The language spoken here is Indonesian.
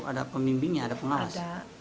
ada pemimbingnya ada pengas